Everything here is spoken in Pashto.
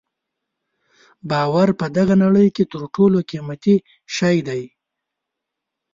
باور په دغه نړۍ کې تر ټولو قیمتي شی دی.